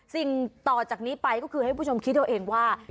สิ่งต่อจากนี้ไปก็คือให้ผู้ชมคิดเอาเองว่า